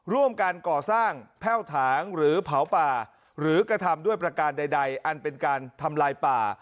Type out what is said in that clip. ร่วมการก่อสร้างแพ่วถางหรือเผาป่าหรือกระทำด้วยประการใดอันเป็นการทำลายป่า